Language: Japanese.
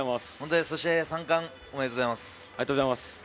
そして３冠、おめでとうございます。